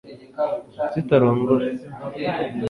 kuki utarongora